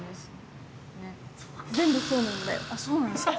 そうなんですか。